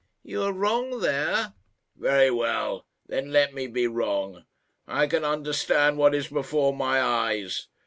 "You are wrong there." "Very well; then let me be wrong. I can understand what is before my eyes.